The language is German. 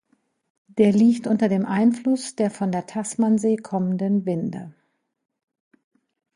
Der liegt unter dem Einfluss der von der Tasmansee kommenden Winde.